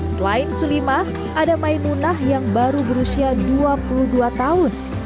selain sulimah ada maimunah yang baru berusia dua puluh dua tahun